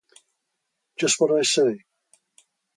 Just what I say.